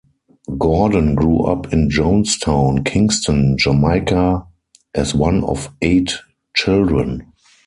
Gordon grew up in Jones Town, Kingston, Jamaica as one of eight children.